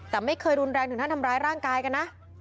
แต่ไม่เคยรุนแรงถึงขั้นทำร้ายร่างกายกันนะ